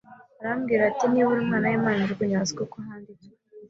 Aramubwira ati: “Niba uri Umwana w’Imana, ijugunye hasi; kuko handitswe